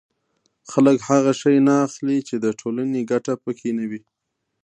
خلک هغه شی نه اخلي چې د ټولنې ګټه پکې نه وي